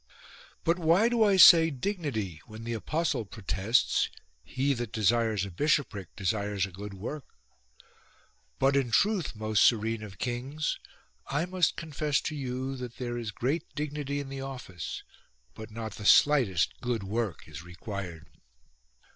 — But why do I say " dignity " when the apostle protests :" He that desires a bishopric desires a good work "? But in truth, most serene of kings, I must confess to you that there is great "dignity" in the office, but not the slightest " good work " is required.